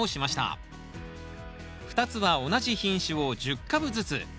２つは同じ品種を１０株ずつ。